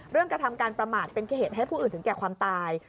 กระทำการประมาทเป็นเหตุให้ผู้อื่นถึงแก่ความตาย